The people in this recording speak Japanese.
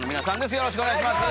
よろしくお願いします。